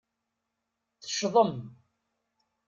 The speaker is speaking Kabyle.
Teccḍem.